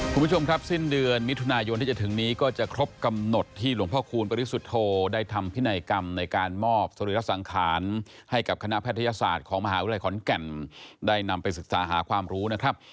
คุณผู้ชมครับสิ้นเดือนมิถุนายนที่จะถึงนี้ก็จะครบกำหนดที่หลวงพ่อคูณปริสุทธโธได้ทำพินัยกรรมในการมอบสรีระสังขารให้กับคณะแพทยศาสตร์ของมหาวิทยาลัยขอนแก่นได้นำไปศึกษาหาความรู้นะครับ